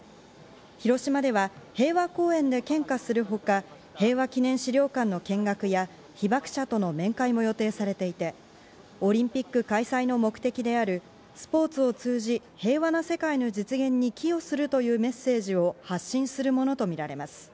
広島では平和公園で献花するほか、平和記念資料館の見学や被爆者との面会も予定されていて、オリンピック開催の目的であるスポーツを通じ、平和な世界の実現に寄与するというメッセージを発信するものとみられます。